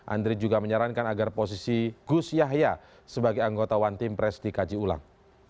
andri juga menyarankan agar posisi gus yahya sebagai anggota one team press dikaji ulang